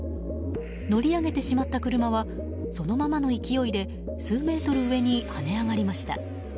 乗り上げてしまった車はそのままの勢いで数メートル上に跳ね上がりました。